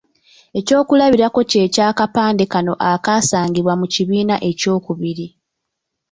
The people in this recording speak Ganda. Ekyokulabirako kye ky’akapande kano akaasangibwa mu kibiina ekyokubiri.